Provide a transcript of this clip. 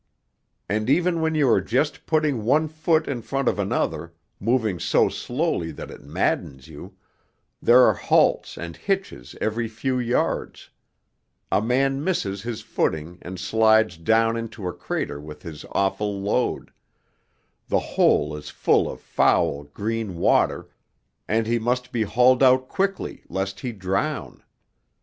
And even when you are just putting one foot in front of another, moving so slowly that it maddens you, there are halts and hitches every few yards: a man misses his footing and slides down into a crater with his awful load; the hole is full of foul green water, and he must be hauled out quickly lest he drown.